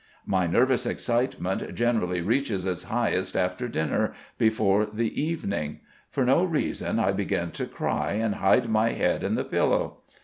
My nervous excitement generally reaches its highest after dinner, before the evening. For no reason I begin to cry and hide my head in the pillow.